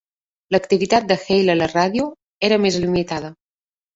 L'activitat de Hale a la ràdio era més limitada.